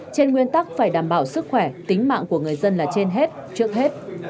trên nguyên tắc phải đảm bảo sức khỏe tính mạng của người dân là trên hết trước hết